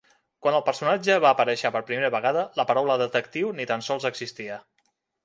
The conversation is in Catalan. Quan el personatge va aparèixer per primera vegada, la paraula detectiu ni tan sols existia.